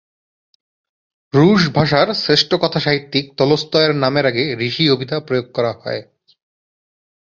রুশ ভাষার শ্রেষ্ঠ কথাসাহিত্যিক তলস্তয়ের নামের আগে ঋষি অভিধা প্রয়োগ করা হয়।